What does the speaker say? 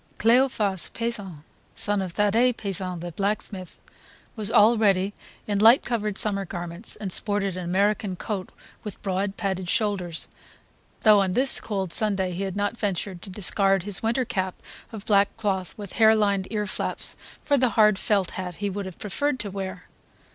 Cleophas Pesant, son of Thadee Pesant the blacksmith, was already in light coloured summer garments, and sported an American coat with broad padded shoulders; though on this cold Sunday he had not ventured to discard his winter cap of black cloth with harelined ear laps for the hard felt hat he would have preferred to wear.